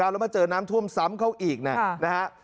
แล้วมาเจอน้ำท่วมซ้ำเขาอีกนะฮะ